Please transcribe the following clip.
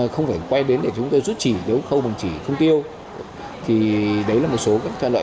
chúng tôi rút chỉ nếu khâu bằng chỉ không tiêu thì đấy là một số các lợi